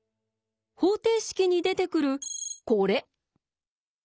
方程式に出てくるこれ。